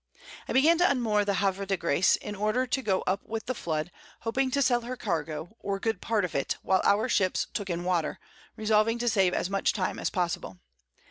I began to unmore the Havre de Grace, in order to go up with the Flood, hoping to sell her Cargo, or good Part of it, while our Ships took in Water, resolving to save as much Time as possible.